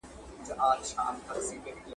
چي له خپل منبره واورم له واعظه آیتونه !.